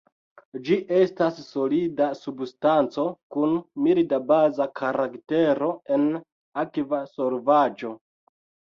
Ĝi estas solida substanco kun milda baza karaktero en akva solvaĵo.